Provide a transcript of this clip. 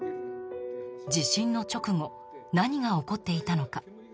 地震の直後何が起こっていたのか。